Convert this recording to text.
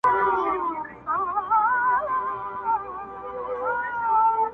نورو ته دى مينه د زړگي وركوي تــا غـــواړي,